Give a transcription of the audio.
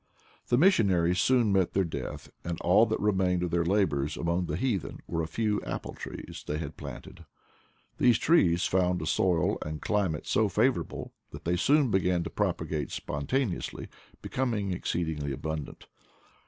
The missionaries soon met their deaths and all that remained of their labors among the heathen were a few apple trees they had planted. These trees found a soil and climate so favorable, that they soon began to propagate spontaneously, becoming exceedingly abundant.